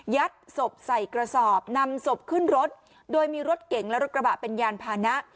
ศพใส่กระสอบนำศพขึ้นรถโดยมีรถเก๋งและรถกระบะเป็นยานพานะ